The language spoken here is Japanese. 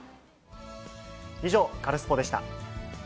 以上、カルスポっ！でした。